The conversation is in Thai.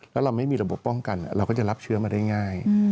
แล้วเราไม่มีระบบป้องกันเราก็จะรับเชื้อมาได้ง่าย